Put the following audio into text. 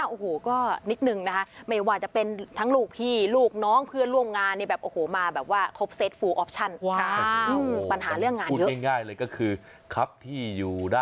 โอ้โหก็นิดนึงนะคะไม่ว่าจะเป็นทั้งลูกพี่ลูกน้องเพื่อนร่วงงานเนี่ย